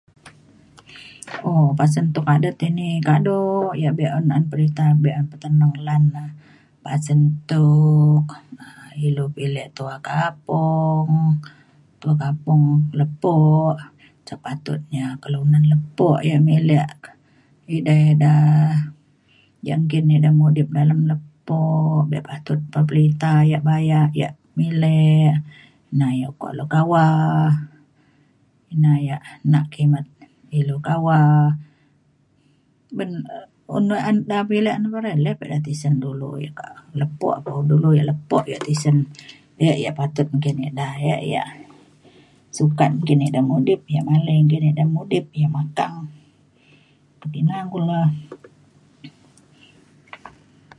um pasen tuk adet ini kado yak be’un an perinta be’un peteneng lan na. pasen tuk um ilu pilek tua kampung pe kampung lepo sepatutnya kelunan lepo yak milek idai ida yak nggin ida mudip dalem lepo be patut pa pelita yak bayak yak milek na ya ukok le kawah ina yak nak kimet ilu kawa. ban um un pa da pilek pa re le pa ida be tisen dulu yak kak lepo dulu yak lepo kak yak tisen ek yak patut nggin ida ek yak sukat nakini mudip yak malai nggin ida mudip yak makang kina kulo.